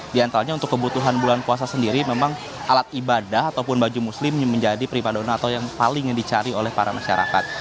di antaranya untuk kebutuhan bulan puasa sendiri memang alat ibadah ataupun baju muslim menjadi prima dona atau yang paling dicari oleh para masyarakat